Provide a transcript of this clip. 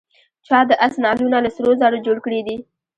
چا د آس نعلونه له سرو زرو جوړ کړي دي.